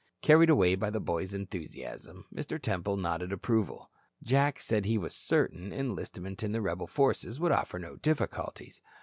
Carried away by the boys' enthusiasm, Mr. Temple nodded approval. Jack said he was certain enlistment in the rebel forces would offer no difficulties.